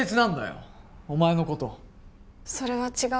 それは違うよ。